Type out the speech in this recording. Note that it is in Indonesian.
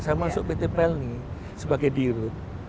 saya masuk pt pelni sebagai di root